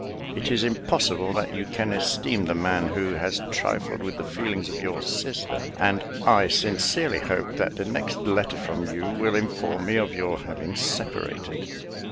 It is impossible that you can esteem the man who has trifled with the feelings of your sister; and I sincerely hope that the next letter from you will inform me of your having separated."